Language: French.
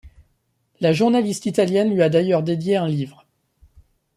La journaliste italienne lui a d'ailleurs dédié un livre.